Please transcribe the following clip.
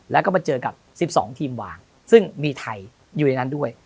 แล้วก็มาเจอกับ๑๒ทีมวางซึ่งมีไทยอยู่ในนั้นด้วย